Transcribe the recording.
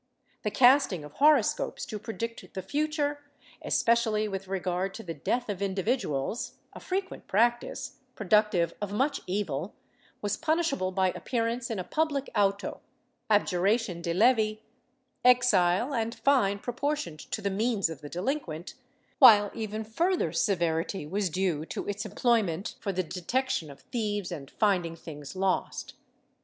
The casting of horoscopes to predict the future, especially with regard to the death of individuals— a frequent practice, productive of much evil — was punishable by appearance in a public auto, abjuration de levi, exile and fine proportioned to the means of the delinquent, while even further severity was due to its employment for the detection of thieves and finding things lost.